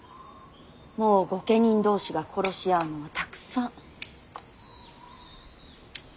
もう御家人同士が殺し合うのはたくさん。